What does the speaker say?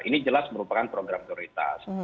ini jelas merupakan program prioritas